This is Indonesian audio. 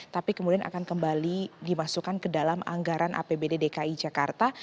tapi kemudian akan kembali dimasukkan ke dalam anggaran apbd dki jakarta